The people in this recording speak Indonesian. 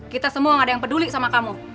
kita semua gak ada yang peduli sama kamu